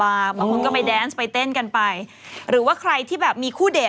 บางคนก็ไปแดนส์ไปเต้นกันไปหรือว่าใครที่แบบมีคู่เดท